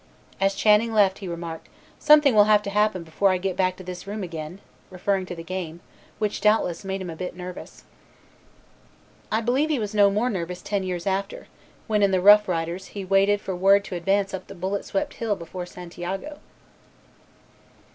As Channing left he remarked, "Something will have happened before I get back to this room again," referring to the game, which doubtless made him a bit nervous. I believe he was no more nervous ten years after, when in the Rough Riders he waited for word to advance up that bullet swept hill before Santiago.